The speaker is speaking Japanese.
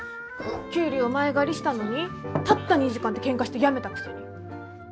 給料前借りしたのにたった２時間でケンカして辞めたくせに。